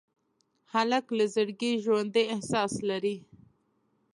هلک له زړګي ژوندي احساس لري.